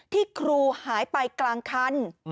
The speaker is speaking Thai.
ที่ครูหายไปกลางคัน